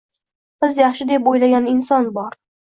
Biz yaxshi deb o‘ylagan inson bor.